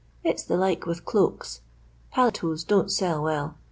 It 'i the like with cloaks. Paletots I don't sell well.